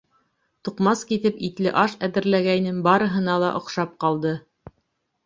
Туҡмас киҫеп, итле аш әҙерләгәйнем, барыһына ла оҡшап ҡалды.